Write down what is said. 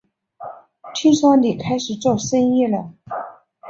听说你开始做生意了